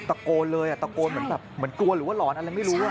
ตะโกนเลยตะโกนเหมือนกลัวหรือว่าหลอนอะไรไม่รู้